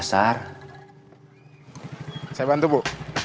saya bantu bu